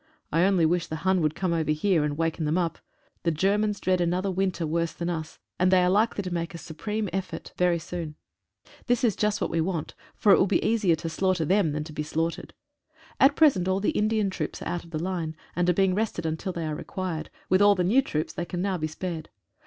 I only wish the Hun could come over here and waken them up. The Germans dread another winter worse than us, and they are likely to make a supreme effort 91 £6 A WEEK UPWARDS. very soon. This is just what we want, for it will be easier to slaughter them than to be slaughtered. At present all the Indian troops are out of the line, and are being rested until they are required, with all the new troops they can now be spared.